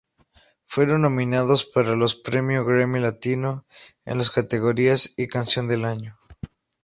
Fueron nominados para los Premio Grammy Latino en las categorías y canción del año.